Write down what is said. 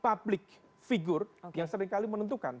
public figure yang seringkali menentukan